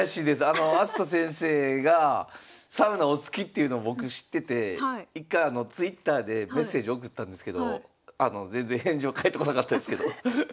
あの明日斗先生がサウナお好きっていうの僕知ってて一回あのＴｗｉｔｔｅｒでメッセージ送ったんですけど全然返事も返ってこなかったですけど。